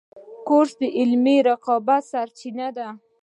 کورس د علمي رقابت سرچینه ده.